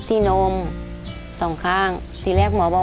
ขอเพียงคุณสามารถที่จะเอ่ยเอื้อนนะครับ